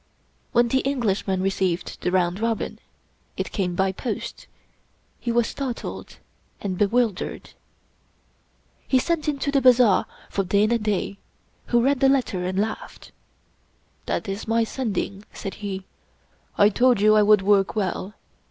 When the Englishman received the round robin — it came by post — he was startled and bewildered. He sent into the bazaar for Dana Da, who read the letter and laughed. " That is my Sending," said he. " I told you I would work well.